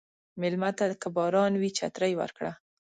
مېلمه ته که باران وي، چترې ورکړه.